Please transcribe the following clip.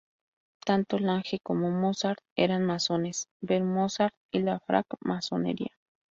Tanto Lange como Mozart eran masones; ver Mozart y la francmasonería.